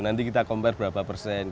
nanti kita compare berapa persen